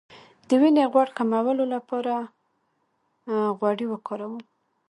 د وینې غوړ کمولو لپاره کوم غوړي وکاروم؟